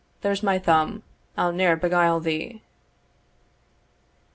There's my thumb, I'll ne'er beguile thee."